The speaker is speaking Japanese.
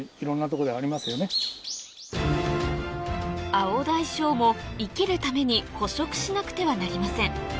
アオダイショウも生きるために捕食しなくてはなりません